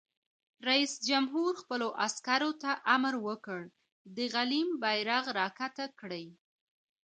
رئیس جمهور خپلو عسکرو ته امر وکړ؛ د غلیم بیرغ راکښته کړئ!